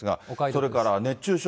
それから熱中症。